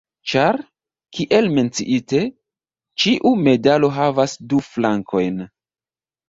Ĉar, kiel menciite, ĉiu medalo havas du flankojn.